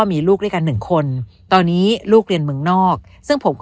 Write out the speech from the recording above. มีลูกด้วยกันหนึ่งคนตอนนี้ลูกเรียนเมืองนอกซึ่งผมก็